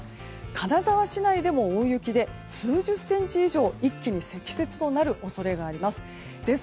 金沢市内でも大雪で数十センチ以上一気に積雪となる恐れがあります。